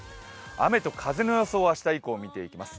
雨と風の予想を明日以降、見ていきます。